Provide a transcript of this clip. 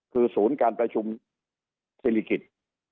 คือศูนย์การประชุมศิริกิจ